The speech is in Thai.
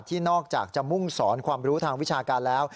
นอกจากจะมุ่งสอนความรู้ทางวิชาการแล้ว